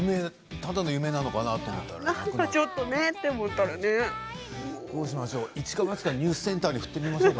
ただの夢かなと思ったら亡くなってどうしましょう？